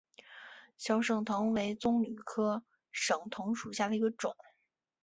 小省藤为棕榈科省藤属下的一个种。